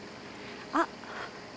あっ。